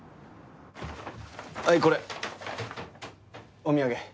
はいこれお土産。